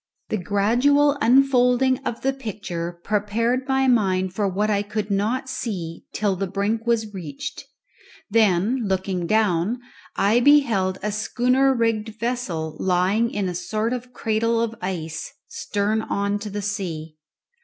The gradual unfolding of the picture prepared my mind for what I could not see till the brink was reached; then, looking down, I beheld a schooner rigged vessel lying in a sort of cradle of ice, stern on to the sea.